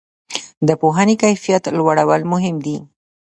د پوهنې کیفیت لوړول مهم دي؟